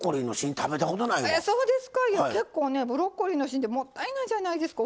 いや結構ねブロッコリーの芯ってもったいないじゃないですか。